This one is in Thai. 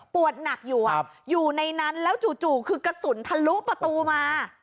ปวดหนักอยู่อยู่ในนั้นแล้วจู่คือกระสุนทะลุประตูมา